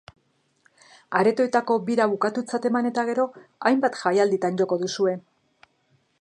Aretoetako bira bukatutzat eman eta gero, hainbat jaialditan joko duzue.